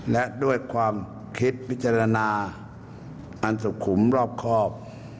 และด้วยความคิดพิจารณาอันสุขุมรอบครอบ